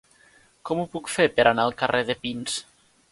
Com ho puc fer per anar al carrer de Pins?